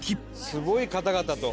「すごい方々と」